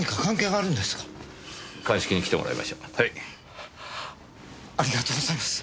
ありがとうございます。